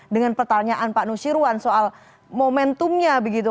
dengan pertanyaan pak nusirwan soal momentumnya begitu